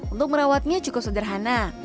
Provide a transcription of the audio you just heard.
untuk merawatnya cukup sederhana